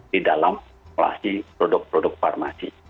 di dalam kelas produk produk farmasi